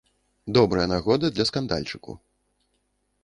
Добрая нагода для скандальчыку.